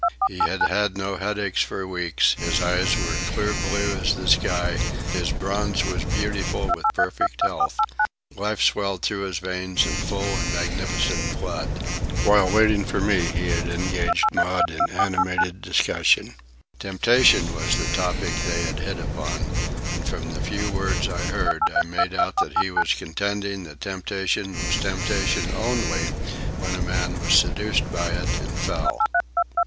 He had had no headaches for weeks, his eyes were clear blue as the sky, his bronze was beautiful with perfect health; life swelled through his veins in full and magnificent flood. While waiting for me he had engaged Maud in animated discussion. Temptation was the topic they had hit upon, and from the few words I heard I made out that he was contending that temptation was temptation only when a man was seduced by it and fell.